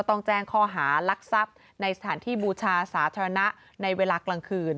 ต้องแจ้งข้อหารักทรัพย์ในสถานที่บูชาสาธารณะในเวลากลางคืน